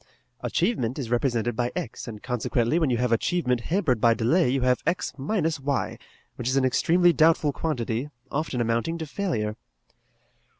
Achievement is represented by x, and, consequently, when you have achievement hampered by delay you have x minus y, which is an extremely doubtful quantity, often amounting to failure."